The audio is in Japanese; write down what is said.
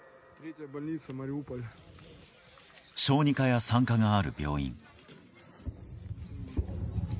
小児科や産科がある病院。